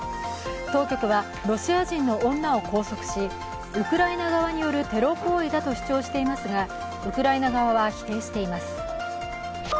当局はロシア人の女を拘束しウクライナ側によるテロ行為だと主張していますがウクライナ側は否定しています。